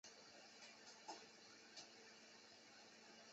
技术和职业教育应普遍设立。